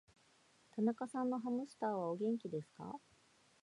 田中さんのハムスターは、お元気ですか。